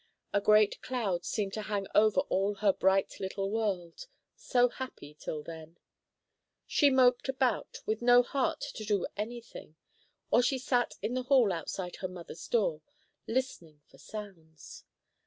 A great cloud seemed to hang over all her bright little world, so happy till then. She moped about, with no heart to do any thing, or she sat in the hall outside her mother's door, listening for sounds.